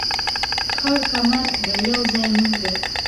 خړ کمر د يو ځاى نوم دى